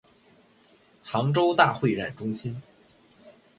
杭州大会展中心